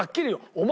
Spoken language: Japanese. お前！